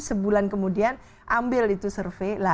sebulan kemudian ambil itu survei